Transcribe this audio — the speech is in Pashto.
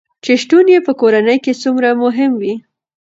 چې شتون يې په کورنے کې څومره مهم وي